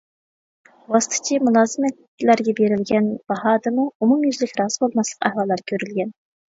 ۋاسىتىچى مۇلازىمەتلەرگە بېرىلگەن باھادىمۇ ئومۇميۈزلۈك رازى بولماسلىق ئەھۋاللىرى كۆرۈلگەن.